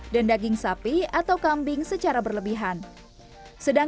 dan mengurangi kelembapan